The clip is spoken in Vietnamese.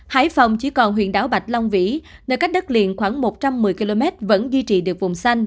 hải phòng chỉ còn huyện đảo bạch long vĩ nơi cách đất liền khoảng một trăm một mươi km vẫn duy trì được vùng xanh